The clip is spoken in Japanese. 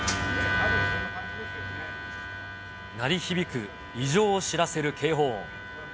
鳴り響く異常を知らせる警報音。